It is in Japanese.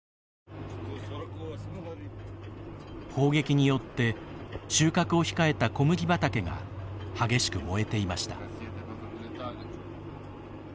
砲撃によって収穫を控えた小麦畑が激しく燃えていました。